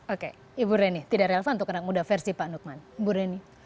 oke ibu reni tidak relevan untuk anak muda versi pak nukman ibu reni